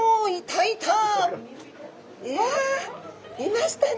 いやいましたね。